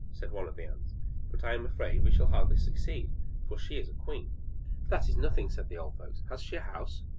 said one of the ants. "But I am afraid we shall hardly succeed, for she is a queen!" "That is nothing!" said the old folks. "Has she a house?"